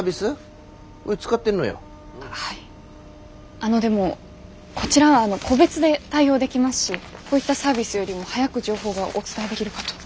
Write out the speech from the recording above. あのでもこちら個別で対応できますしこういったサービスよりも早く情報がお伝えできるかと。